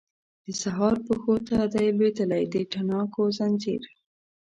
د سهار پښو ته دی لویدلی د تڼاکو ځنځیر